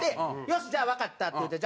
「よしじゃあわかった」って言って。